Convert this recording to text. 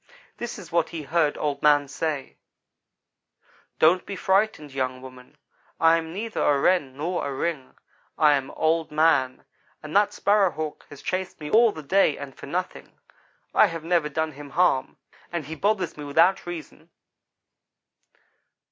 This is what he heard Old man say: "'Don't be frightened, young woman, I am neither a Wren nor a ring. I am Old man and that Sparrow hawk has chased me all the day and for nothing. I have never done him harm, and he bothers me without reason.'